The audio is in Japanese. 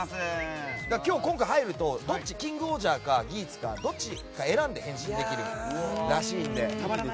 今回入るとキングオージャーかギーツかどっちか選んで変身できるらしいんで。